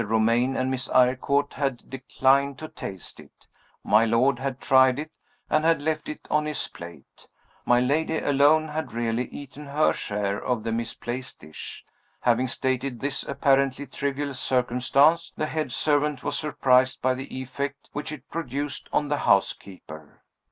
Romayne and Miss Eyrecourt had declined to taste it. My lord had tried it, and had left it on his plate. My lady alone had really eaten her share of the misplaced dish. Having stated this apparently trivial circumstance, the head servant was surprised by the effect which it produced on the housekeeper.